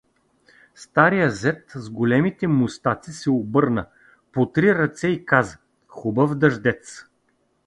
Старият зет с големите мустаци се обърна, потри ръце и каза: — Хубав дъждец.